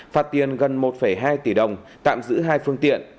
phạt tiền gần một hai tỷ đồng tạm giữ hai phương tiện